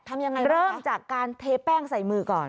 ทำยังไงเริ่มจากการเทแป้งใส่มือก่อน